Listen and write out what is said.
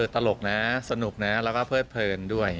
ตลกนะสนุกนะแล้วก็เพิดเพลินด้วย